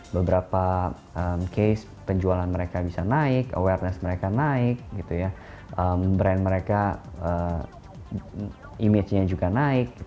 beberapa case penjualan mereka bisa naik awareness mereka naik brand mereka image nya juga naik